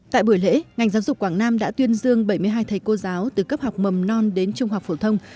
tại buổi lễ ngành giáo dục quảng nam đã tuyên dương bảy mươi hai thầy cô giáo từ cấp học mầm non đến trung học phổ thông